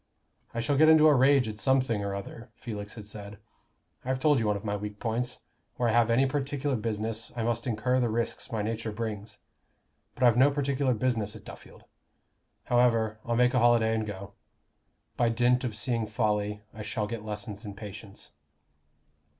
"I shall get into a rage at something or other," Felix had said. "I've told you one of my weak points. Where I have any particular business, I must incur the risks my nature brings. But I've no particular business at Duffield. However, I'll make a holiday and go. By dint of seeing folly, I shall get lessons in patience."